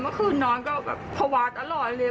เมื่อคืนนอนก็แบบภาวะตลอดเลย